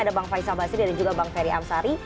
ada bang faisal basri dan juga bang ferry amsari